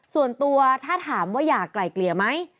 ส่วนตัวถ้าถามว่าอยากไกลเกลี่ยไหม